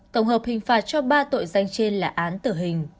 tổng hợp hình phạt cho ba tội danh trên là án tử hình